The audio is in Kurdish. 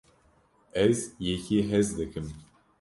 ez yekî hez dikim